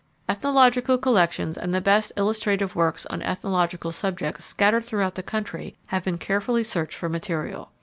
Ethnological collections and the best illustrative works on ethnological subjects scattered throughout the country have been carefully searched for material.